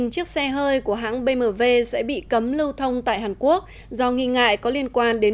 một chiếc xe hơi của hãng bmw sẽ bị cấm lưu thông tại hàn quốc do nghi ngại có liên quan đến